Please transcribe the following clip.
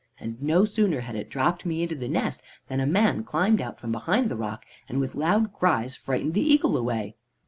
And no sooner had it dropped me into the nest, than a man climbed out from behind the rock, and with loud cries frightened the eagle away.